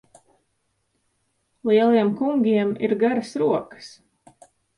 Lieliem kungiem ir garas rokas.